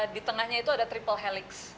di tengahnya itu ada triple helix